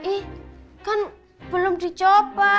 eh kan belum dicoba